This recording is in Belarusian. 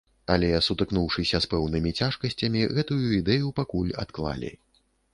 Але, сутыкнуўшыся з пэўнымі цяжкасцямі, гэтую ідэю пакуль адклалі.